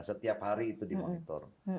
setiap hari itu dimonitor